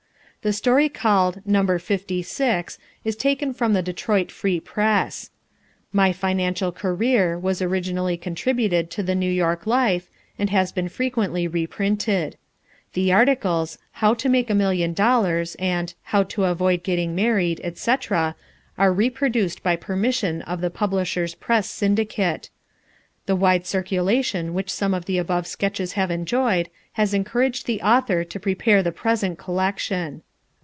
The story called "Number Fifty Six" is taken from the Detroit Free Press. "My Financial Career" was originally contributed to the New York Life, and has been frequently reprinted. The Articles "How to Make a Million Dollars" and "How to Avoid Getting Married," etc. are reproduced by permission of the Publishers' Press Syndicate. The wide circulation which some of the above sketches have enjoyed has encouraged the author to prepare the present collection.